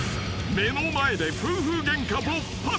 ［目の前で夫婦ゲンカ勃発］